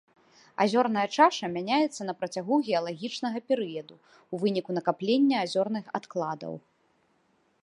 Азёрная чаша мяняецца на працягу геалагічнага перыяду ў выніку накаплення азёрных адкладаў.